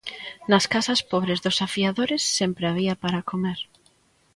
Nas casas pobres dos afiadores sempre había para comer.